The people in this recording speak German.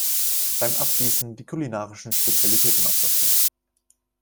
Beim Abgießen die kulinarischen Spezialitäten aussortieren.